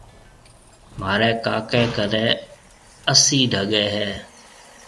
مهاريَ ڪاڪيَ ڪنَي اَسِي ڊڳي هيَ۔